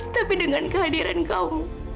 tapi dengan kehadiran kamu